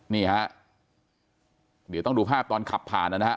นี่ฮะเดี๋ยวต้องดูภาพตอนขับผ่านนะฮะ